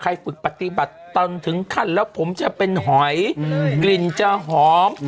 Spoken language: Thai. ฝึกปฏิบัติตอนถึงขั้นแล้วผมจะเป็นหอยกลิ่นจะหอม